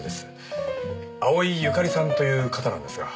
青井由香利さんという方なんですが。